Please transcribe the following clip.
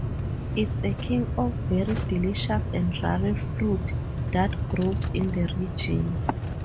It's a king of very delicious and rare fruit that grows in the region.